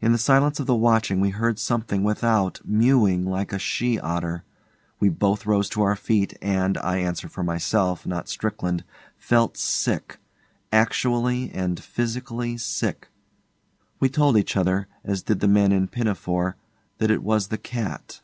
In the silence of the watching we heard something without mewing like a she otter. We both rose to our feet, and, I answer for myself, not Strickland, felt sick actually and physically sick. We told each other, as did the men in Pinafore, that it was the cat.